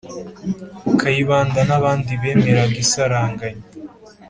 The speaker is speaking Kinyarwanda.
kayibanda n' abandi bemeraga isaranganya